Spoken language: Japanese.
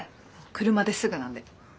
車ですぐなんで。